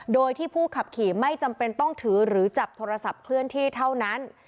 โดยที่ผู้ขับขี่ไม่จำเป็นต้องถือหรือจับโทรศัพท์เคลื่อนที่เท่านั้น